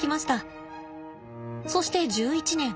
そして１１年。